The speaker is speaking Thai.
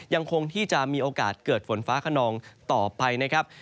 ยังคงที่จะมีโอกาสเกิดฝนฟ้าขนองต่อไปนะครับ